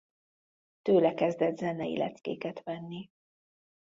Tőle kezdett zenei leckéket venni.